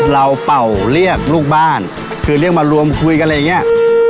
เป่าเรียกลูกบ้านคือเรียกมารวมคุยกันอะไรอย่างนี้